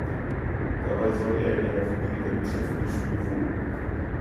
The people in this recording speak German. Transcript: Dabei soll er in einer Familie der betreffenden Schule wohnen.